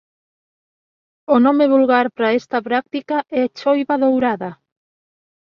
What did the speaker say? O nome vulgar para esta práctica é choiva dourada.